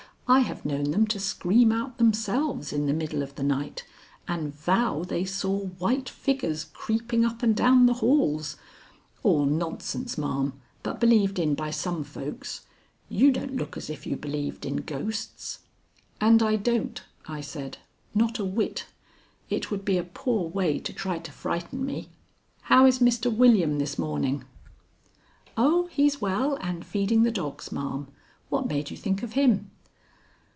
I have known them to scream out themselves in the middle of the night and vow they saw white figures creeping up and down the halls all nonsense, ma'am, but believed in by some folks. You don't look as if you believed in ghosts." "And I don't," I said, "not a whit. It would be a poor way to try to frighten me. How is Mr. William this morning?" "Oh, he's well and feeding the dogs, ma'am. What made you think of him?"